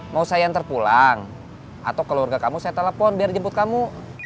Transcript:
mau saya yang terpulang atau keluarga kamu saya telepon biar jemput kamu